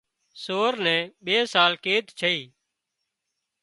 سور نين ٻي سال قيد ڇئي